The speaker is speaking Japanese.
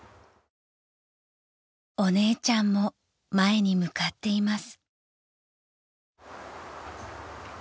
［お姉ちゃんも前に向かっています］